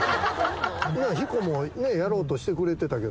ヒコもやろうとしてくれてたけど。